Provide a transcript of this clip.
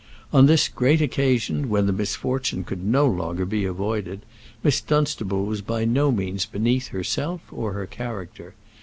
On this great occasion, when the misfortune could no longer be avoided, Miss Dunstable was by no means beneath herself or her character.